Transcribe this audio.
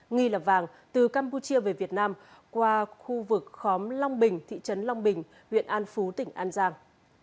nghi là vàng từ campuchia về việt nam qua khu vực khóm long bình thị trấn long bình huyện an phú tỉnh an giang